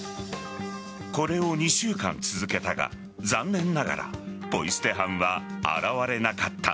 これを２週間続けたが残念ながらポイ捨て犯は現れなかった。